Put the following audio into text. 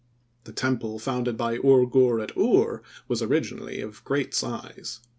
The temple founded by Ur Gur at Ur, was originally of great size.